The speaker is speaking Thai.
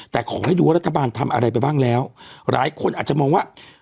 แต่ขอให้ดูว่ารัฐบาลทำอะไรไปบ้างแล้วหลายคนอาจจะมองว่า